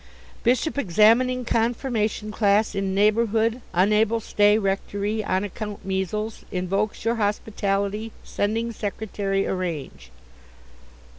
"Bishop examining confirmation class in neighbourhood unable stay rectory on account measles invokes your hospitality sending secretary arrange."